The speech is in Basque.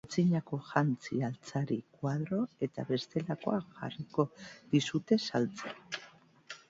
Antzinako jantzi, altzari, koadro eta bestelakoak jarriko dizute saltzen.